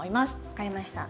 分かりました。